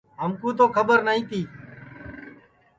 ہمکُو تو کھٻر نائی تی